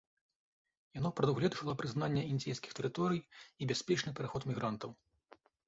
Яно прадугледжвала прызнанне індзейскіх тэрыторый і бяспечны пераход мігрантаў.